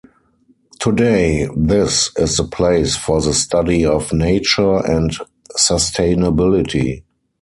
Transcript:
Today this is the place for the study of nature and sustainability.